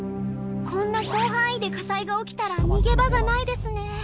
こんな広範囲で火災が起きたら逃げ場がないですね。